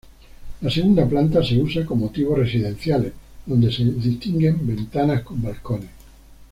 La segunda planta, se usa con motivos residenciales, donde se distinguen ventanas con balcones.